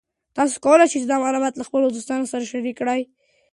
تاسو کولی شئ دا معلومات له خپلو دوستانو سره شریک کړئ.